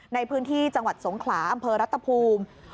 ในพื้นที่จังหวัดสงขลาอำเภอรัตภูมิ